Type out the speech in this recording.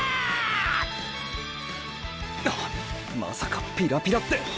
まさか“ピラピラ”って！！